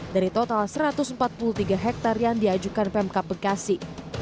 dari total satu ratus empat puluh tiga hektare yang diajukan pemkap bekasi